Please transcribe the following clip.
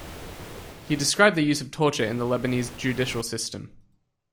He described the use of torture in the Lebanese judicial system.